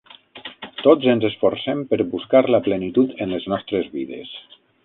Tots ens esforcem per buscar la plenitud en les nostres vides.